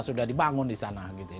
sudah dibangun di sana gitu ya